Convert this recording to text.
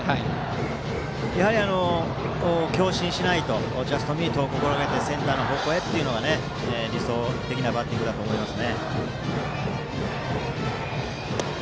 やはり、強振しないとジャストミートを心がけてセンターの方向へが理想的なバッティングだと思います。